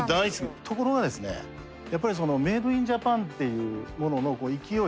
ところがやっぱりそのメイド・イン・ジャパンっていうものの勢い